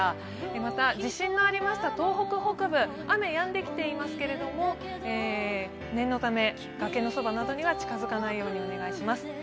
また地震のありました東北北部、雨やんできていますけれども、念のため崖のそばなどには近づかないようにお願いします。